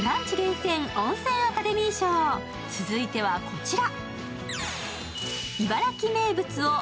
続いてはこちら。